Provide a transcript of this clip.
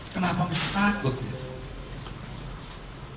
kenapa mesti takut ya